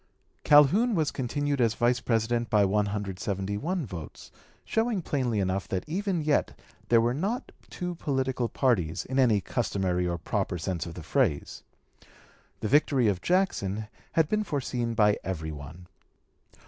Calhoun was continued as Vice President by 171 votes, showing plainly enough that even yet there were not two political parties, in any customary or proper sense of the phrase. The victory of Jackson had been foreseen by every one.